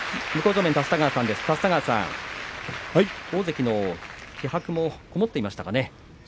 立田川さん大関の気迫こもってましたかね。